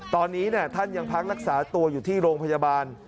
ตอนนี้ท่านยังพักรักษาตัวอยู่ที่โรงพยาบาล